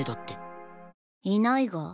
いないが？